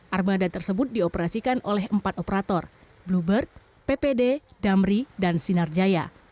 armada tersebut dioperasikan oleh empat operator bluebird ppd damri dan sinarjaya